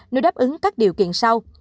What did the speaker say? nếu đáp ứng các điều kiện sau